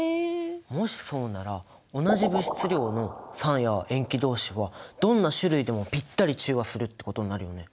もしそうなら同じ物質量の酸や塩基同士はどんな種類でもぴったり中和するってことになるよね。